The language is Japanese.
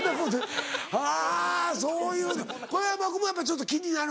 あぁそういう小山君もやっぱりちょっと気になる？